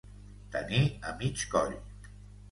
Tenir a mig coll.